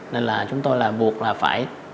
nên là chúng tôi là buộc là phải